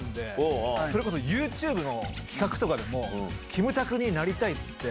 それこそユーチューブの企画とかでも、キムタクになりたいって言って。